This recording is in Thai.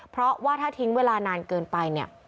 เพราะว่าถ้าทิ้งเวลานานเกินไปเนี่ย